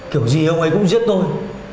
kiểu gì ông ấy cũng giết tôi